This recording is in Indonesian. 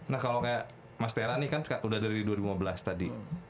nah kalau kayak mas tera nih kan udah dari dua ribu lima belas tadi